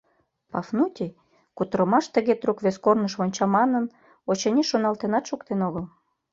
Пафнутий, кутырымаш тыге трук вес корныш вонча манын, очыни, шоналтенат шуктен огыл.